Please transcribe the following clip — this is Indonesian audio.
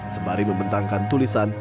sebalik membentangkan tulisan